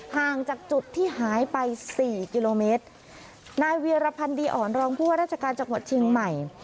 ห่างจากจุดที่หายไปสี่กิโลเมตรนายเวียรพันธ์ดีอ่อนรองผู้ว่าราชการจังหวัดเชียงใหม่